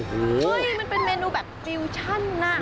เฮ้ยมันเป็นเมนูแบบฟิวชั่นน่ะ